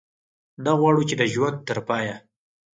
نه غواړو چې د ژوند تر پایه.